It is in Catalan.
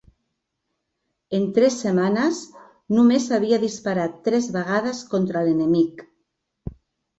En tres setmanes només havia disparat tres vegades contra l'enemic